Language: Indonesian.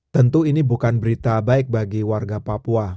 tentu ini bukan berita baik bagi warga papua